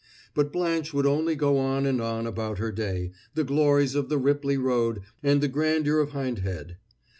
But Blanche would only go on and on about her day, the glories of the Ripley Road and the grandeur of Hindhead.